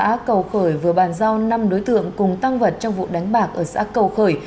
xã cầu khởi vừa bàn giao năm đối tượng cùng tăng vật trong vụ đánh bạc ở xã cầu khởi